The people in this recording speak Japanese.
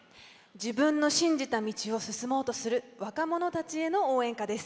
自分の信じた道を進もうとする若者たちへの応援歌です。